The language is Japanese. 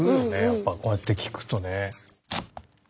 やっぱこうやって聴くとね。